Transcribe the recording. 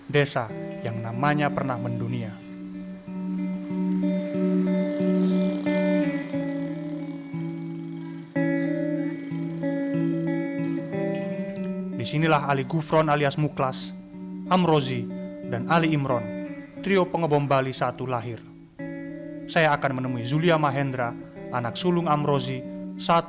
desa yang namanya pernah mendunia